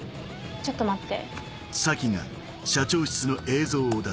ちょっと待って。